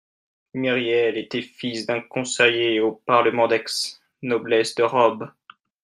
Myriel était fils d'un conseiller au parlement d'Aix, noblesse de robe